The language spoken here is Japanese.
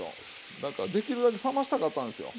だからできるだけ冷ましたかったんですよ。